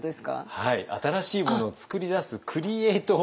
はい新しいものをつくり出すクリエートを。